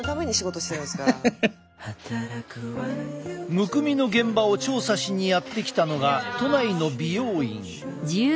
むくみの現場を調査しにやって来たのが都内の美容院。